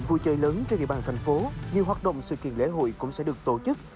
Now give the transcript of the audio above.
vui chơi lớn trên địa bàn thành phố nhiều hoạt động sự kiện lễ hội cũng sẽ được tổ chức